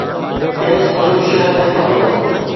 کيس سڄو شهر ڏيکاريو